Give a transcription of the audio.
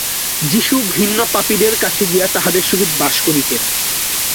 যীশু ঘৃণ্য পাপীদের কাছে গিয়া তাহাদের সহিত বাস করিতেন।